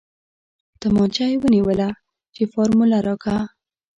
تمانچه يې ونيوله چې فارموله راکه.